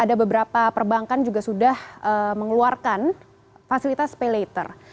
ada beberapa perbankan juga sudah mengeluarkan fasilitas paylater